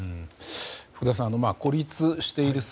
福田さん、孤立している姿